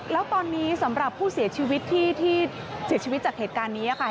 แล้วตอนนี้สำหรับผู้เสียชีวิตที่เสียชีวิตจากเหตุการณ์นี้ค่ะ